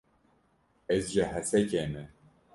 Ez ji Hesekê me.